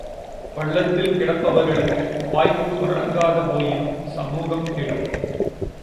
பள்ளத்தில் கிடப்பவர்களுக்கு வாய்ப்பு வழங்காது போயினும் சமூகம் கெடும்!